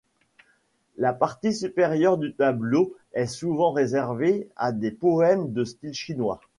La partie supérieure du tableau est souvent réservée à des poèmes de style chinois.